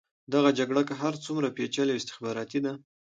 دغه جګړه که هر څومره پېچلې او استخباراتي ده.